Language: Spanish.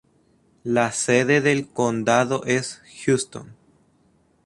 La sede del condado es Houston.